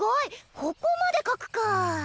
ここまで描くか。